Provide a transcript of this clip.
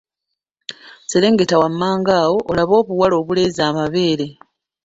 Serengeta wammanga awo olabe obuwala obuleeze amabeere.